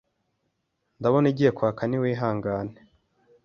Ndabona igiye kwaka niwihangane